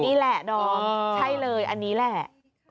นี่แหละดอมใช่เลยอันนี้แหละ